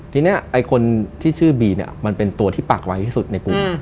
ทีนี้ไอ้คนที่ชื่อบีเนี่ยมันเป็นตัวที่ปากไวที่สุดในกลุ่ม